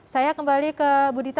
saya kembali ke budita